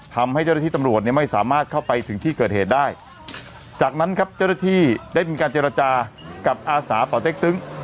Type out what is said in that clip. ทำให้เจ้าหน้าที่ตำรวจเนี่ยไม่สามารถเข้าไปถึงที่เกิดเหตุได้จากนั้นครับเจ้าหน้าที่ได้มีการเจรจากับอาสาป่อเต็กตึ๊ง